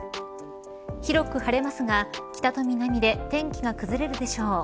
広く晴れますが北と南で天気がくずれるでしょう。